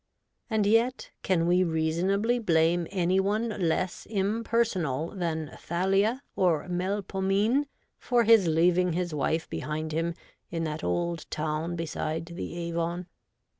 And yet can we reasonably blame any one less impersonal than Thalia or Melpomene for his leaving his wife behind him in that old town beside the Avon